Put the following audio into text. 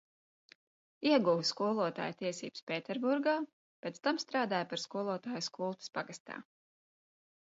Ieguva skolotāja tiesības Pēterburgā, pēc tam strādāja par skolotāju Skultes pagastā.